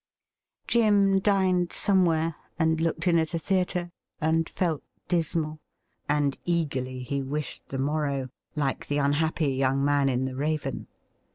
Jim dined somewhere, and looked in at a theatre, and felt dismal, and ' eagerly he wished the morrow,' like the unhappy young man in ' The Raven.'